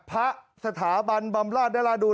พระสถาบันบำราชนราดูล